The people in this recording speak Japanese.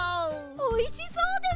おいしそうです！